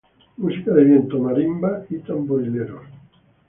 Música de viento, marimba y tamborileros.